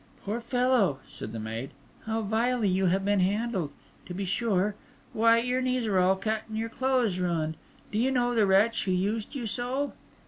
"Poor fellow," said the maid, "how vilely you have been handled, to be sure! Why, your knees are all cut, and your clothes ruined! Do you know the wretch who used you so?"